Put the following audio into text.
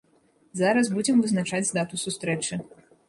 Зараз будзем вызначаць дату сустрэчы.